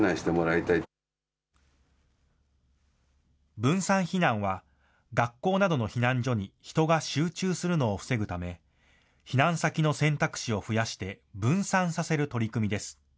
分散避難は、学校などの避難所に人が集中するのを防ぐため、避難先の選択肢を増やして分散させる取り組みです。